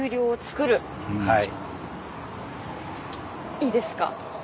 いいですか。